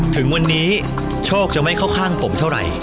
ถึงวันนี้โชคจะไม่เข้าข้างผมเท่าไหร่